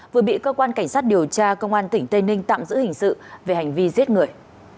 vừa bị cơ quan cảnh sát điều tra công an tỉnh tây ninh tạm giữ hình sự về hành vi giết người